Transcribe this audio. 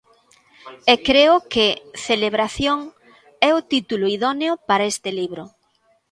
E creo que 'Celebración' é o título idóneo para este libro.